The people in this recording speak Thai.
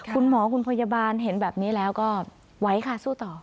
คุณหมอคุณพยาบาลเห็นแบบนี้แล้วก็ไหวค่ะสู้ต่อ